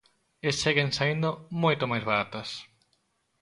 E seguen saíndo moito máis baratas.